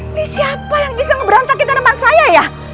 ini siapa yang bisa ngeberantakin tanaman saya ya